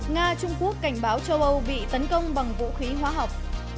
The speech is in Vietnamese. nga trung quốc cảnh báo châu âu bị tấn công bằng vũ khí hóa học